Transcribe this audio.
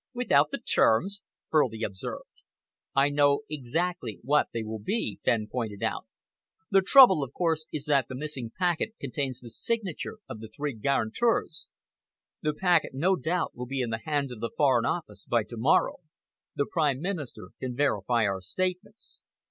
"Without the terms," Furley observed. "I know exactly what they will be," Fenn pointed out. "The trouble, of course, is that the missing packet contains the signature of the three guarantors. The packet, no doubt, will be in the hands of the Foreign Office by to morrow. The Prime Minister can verify our statements.